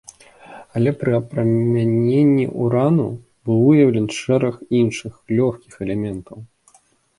Але пры апрамяненні ўрану быў выяўлен шэраг іншых, лёгкіх элементаў.